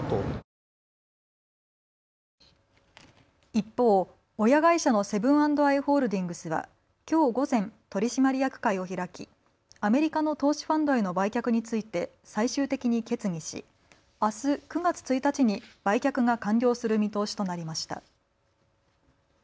一方、親会社のセブン＆アイ・ホールディングスは、きょう午前、取締役会を開きアメリカの投資ファンドへの売却について最終的に決議し、あす、９月１日に売却が完了する見通しとなりました。